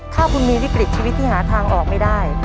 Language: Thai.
ถ้าคุณมีวิกฤตชีวิตที่หาทางออกไม่ได้